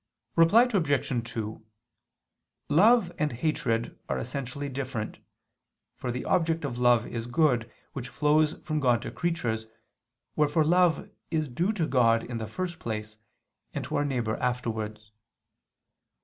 Reply Obj. 2: Love and hatred are essentially different, for the object of love is good, which flows from God to creatures, wherefore love is due to God in the first place, and to our neighbor afterwards.